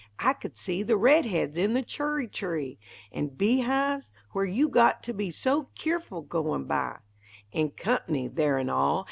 I could see The red heads in the churry tree; An' bee hives, where you got to be So keerful, goin' by; An' "Comp'ny" there an' all!